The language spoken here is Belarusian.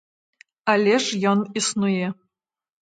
Але ж ён існуе.